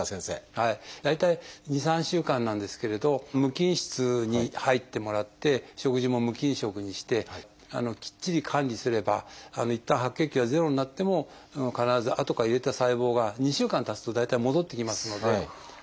大体２３週間なんですけれど無菌室に入ってもらって食事も無菌食にしてきっちり管理すればいったん白血球がゼロになっても必ずあとから入れた細胞が２週間たつと大体戻ってきますので。